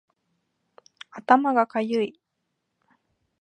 頭がかゆい